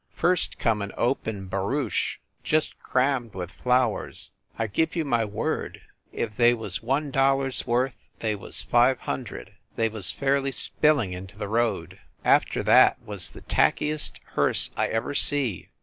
First come an open barouche, just crammed with flowers. I give you my word, if they was one dol lar s worth, they was five hundred. They was fairly spilling into the road. After that was the tackiest hearse I ever see.